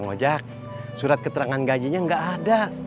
bang ojak surat keterangan gajinya nggak ada